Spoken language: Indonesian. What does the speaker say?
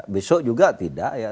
besok juga tidak ya